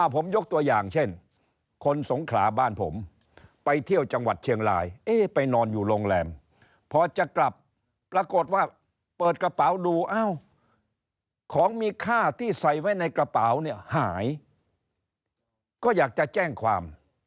ผมยกตัวอย่างเช่นคนสงขลาบ้านผมไปเที่ยวจังหวัดเชียงรายเอ๊ไปนอนอยู่โรงแรมพอจะกลับปรากฏว่าเปิดกระเป๋าดูอ้าวของมีค่าที่ใส่ไว้ในกระเป๋าเนี่ยหายก็อยากจะแจ้งความ